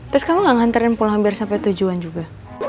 terus kamu nggak nganterin pulang biar sampai tujuan juga